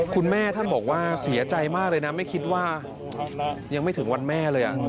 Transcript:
คุณแม่ท่านบอกว่าเสียใจมากเลยนะไม่คิดว่ายังไม่ถึงวันแม่เลย